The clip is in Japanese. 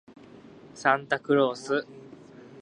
サンタクロース